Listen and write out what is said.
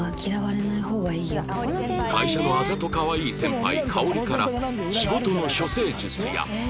会社のあざとかわいい先輩香織から仕事の処世術や